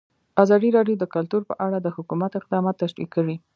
ازادي راډیو د کلتور په اړه د حکومت اقدامات تشریح کړي.